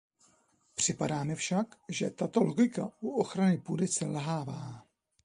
Připadá mi však, že tato logika u ochrany půdy selhává.